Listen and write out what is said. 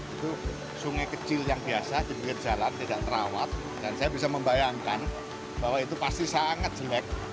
itu sungai kecil yang biasa di pinggir jalan tidak terawat dan saya bisa membayangkan bahwa itu pasti sangat jelek